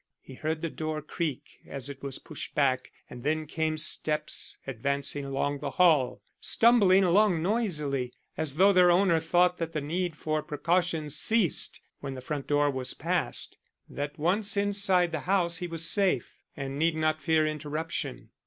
He heard the door creak as it was pushed back and then came steps advancing along the hall, stumbling along noisily, as though their owner thought that the need for precautions ceased when the front door was passed: that once inside the house he was safe, and need not fear interruption.